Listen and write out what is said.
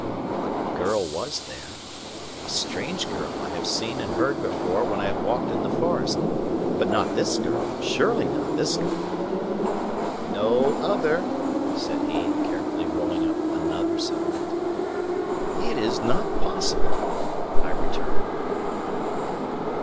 "A girl was there a strange girl I have seen and heard before when I have walked in the forest. But not this girl surely not this girl!" "No other," said he, carefully rolling up another cigarette. "It is not possible!" I returned.